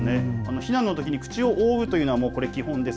避難のときに口を覆うのは基本です。